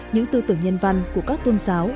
những tư tưởng nhân văn của các tôn giáo